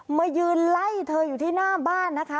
มายืนไล่เธออยู่ที่หน้าบ้านนะคะ